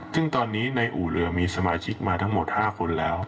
ซึ่งตอนนี้ในอู่เรือมีสมาชิกมาทั้งหมด๕คนแล้ว